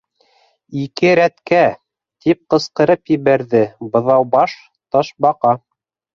—Ике рәткә! —тип ҡысҡырып ебәрҙе Быҙаубаш Ташбаҡа.